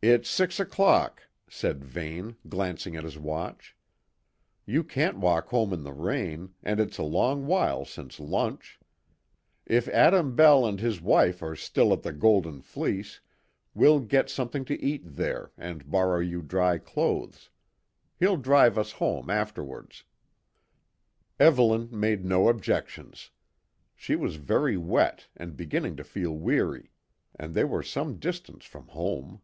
"It's six o'clock," said Vane, glancing at his watch. "You can't walk home in the rain, and it's a long while since lunch. If Adam Bell and his wife are still at the 'Golden Fleece,' we'll get something to eat there and borrow you dry clothes. He'll drive us home afterwards." Evelyn made no objections. She was very wet and beginning to feel weary, and they were some distance from home.